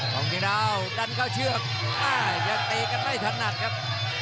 กล้องเชียงดาวดันเข้าเชือกอ้าวยังตีกันไม่ถัดหนัดครับ